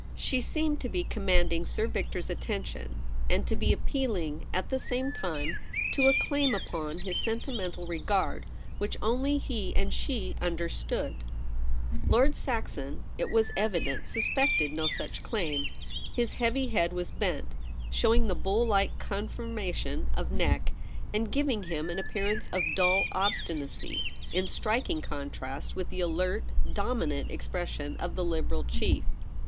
She seemed to be commanding Sir Victor's attention, and to be appealing, at the same time, to a claim upon his sentimental regard, which only he and she understood. Lord Saxon, it was evident, sus pected no such claim. His heavy head was bent, showing the bull like conformation of neck, and giving him an appearance of dull obstinacy, in striking contrast with the alert, dominant expression of the Liberal chief.